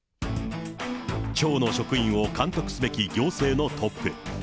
町の職員を監督すべき行政のトップ。